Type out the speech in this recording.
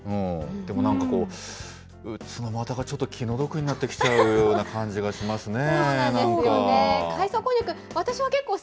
でもなんか、こう、ツノマタがちょっと気の毒になってきちゃうような感じがしますね。